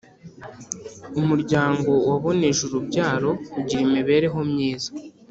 Umuryango waboneje urubyaro ugira imibereho myiza